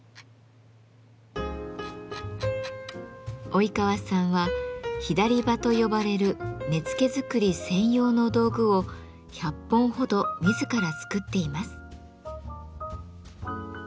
及川さんは左刃と呼ばれる根付作り専用の道具を１００本ほど自ら作っています。